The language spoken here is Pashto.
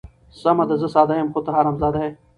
سمه ده زه ساده یم، خو ته حرام زاده یې.